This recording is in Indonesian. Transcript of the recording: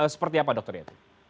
seperti apa dokter yati